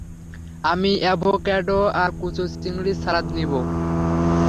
আমি এভোক্যাডো আর কুচো চিংড়ির সালাদ নিবো।